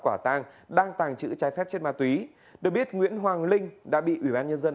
quả tàng đang tàng trữ trái phép chất ma túy được biết nguyễn hoàng linh đã bị ủy ban nhân dân